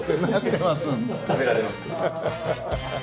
食べられます。